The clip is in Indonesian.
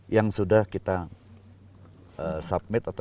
yang sudah kita submit